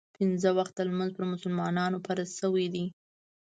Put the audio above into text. پنځه وخته لمونځ پر مسلمانانو فرض شوی دی.